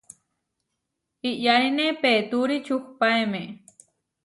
Iʼyánine peetúri čuhpaéme.